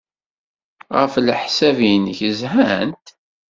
Ɣef leḥsab-nnek, zhant?